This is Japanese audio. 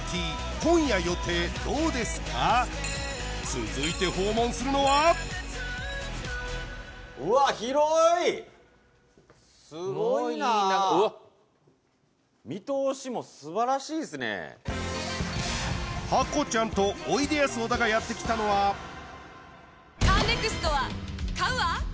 続いて訪問するのはすごいなうわっすごいなハコちゃんとおいでやす小田がやってきたのはカーネクストは買うわ！